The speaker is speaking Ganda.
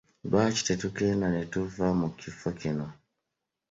Lwaki tetugenda ne tuva mu kifo kino?